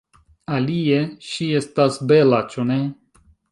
Alie, ŝi estas bela, ĉu ne?